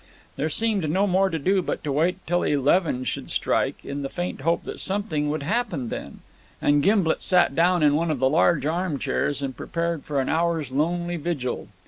There seemed no more to do but to wait till eleven should strike, in the faint hope that something would happen then; and Gimblet sat down in one of the large arm chairs and prepared for an hour's lonely vigil.